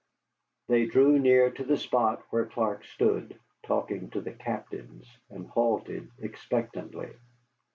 They drew near to the spot where Clark stood, talking to the captains, and halted expectantly.